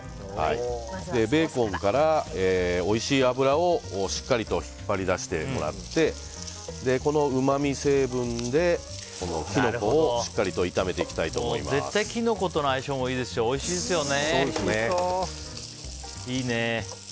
ベーコンからおいしい脂をしっかりと引っ張り出してもらってこのうまみ成分でキノコをしっかりと絶対キノコとの相性もいいですしおいしいですよね。